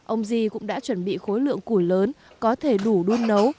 ông di cũng đã chuẩn bị khối lượng củi lớn có thể đủ đun nấu